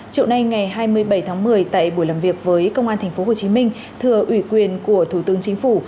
chiều nay ngày hai mươi bảy tháng một mươi tại buổi làm việc với công an tp hcm thừa ủy quyền của thủ tướng chính phủ